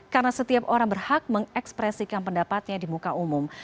karena setiap orang berhak mengekspresikan pendapatnya di muka umum